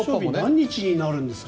何日になるんですか？